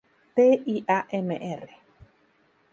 T y a Mr.